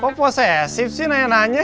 kok posesif sih nenek nanya